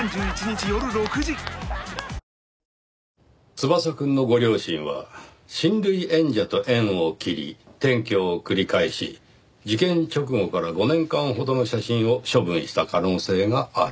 翼くんのご両親は親類縁者と縁を切り転居を繰り返し事件直後から５年間ほどの写真を処分した可能性がある。